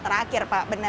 terakhir pak benar